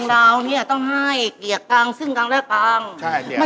ถ้าจีนเหนินเขาก็